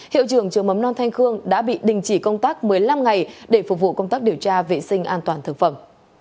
hiệu trưởng trường mầm non thanh khương đã bị đình chỉ công tác một mươi năm ngày để phục vụ công tác điều tra vệ sinh an toàn thực phẩm